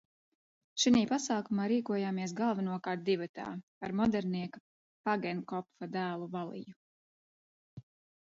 Šinī pasākumā rīkojāmies galvenokārt divatā ar modernieka Pagenkopfa dēlu Valiju.